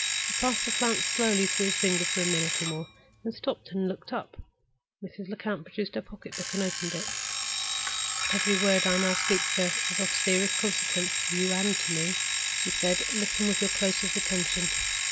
He passed the flounce slowly through his fingers for a minute or more, then stopped and looked up. Mrs. Lecount produced her pocket book and opened it. "Every word I now speak, sir, is of serious consequence to you and to me," she said. "Listen with your closest attention.